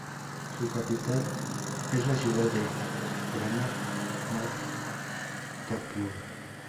Su capital es la ciudad de Vranov nad Topľou.